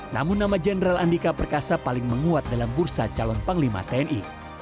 namun nama jenderal andika perkasa paling menguat dalam bursa calon panglima tni